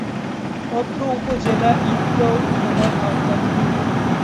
অত্র উপজেলা ঈদগাঁও থানার আওতাধীন।